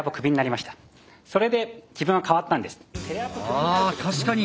あ確かに！